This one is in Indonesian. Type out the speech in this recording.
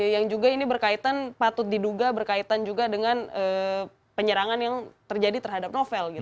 yang juga ini berkaitan patut diduga berkaitan juga dengan penyerangan yang terjadi terhadap novel